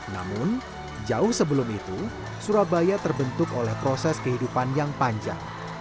namun jauh sebelum itu surabaya terbentuk oleh proses kehidupan yang panjang